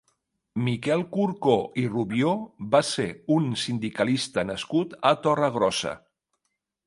Miquel Curcó i Rubió va ser un sindicalista nascut a Torregrossa.